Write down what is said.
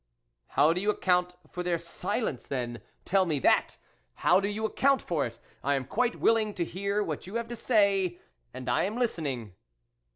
" How do you account for their silence, then ? tell me that ! How do you account for it ? I am quite willing to hear what you have to say, and I am listening."